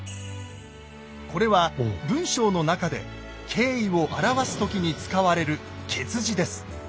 これは文章の中で敬意を表す時に使われる「欠字」です。